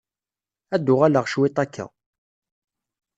Ad d-uɣaleɣ cwit akka.